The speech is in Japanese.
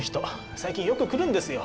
最近よく来るんですよ